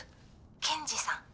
「検事さん」